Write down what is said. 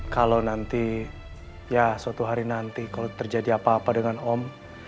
kalau nanti ya suatu hari nanti kalau terjadi apa apa dengan om